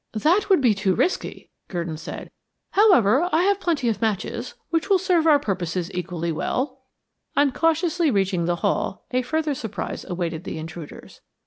"That would be too risky," Gurdon said. "However, I have plenty of matches, which will serve our purpose equally well." On cautiously reaching the hall a further surprise awaited the intruders.